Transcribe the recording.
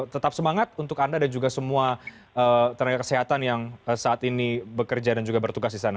tetap semangat untuk anda dan juga semua tenaga kesehatan yang saat ini bekerja dan juga bertugas di sana